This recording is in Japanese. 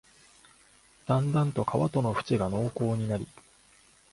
だんだんと川との縁が濃厚になり、